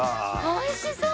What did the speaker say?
おいしそう！